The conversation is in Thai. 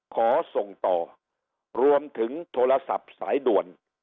ขอส่งต่อรวมถึงโทรศัพท์สายด่วน